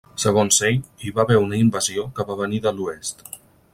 Segons ell, hi va haver una invasió que va venir de l'oest.